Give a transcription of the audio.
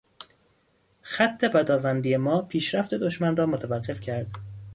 خط پدافندی ما پیشرفت دشمن را متوقف کرد.